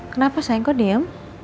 kenapa sayang kok diem